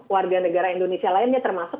warga negara indonesia lainnya termasuk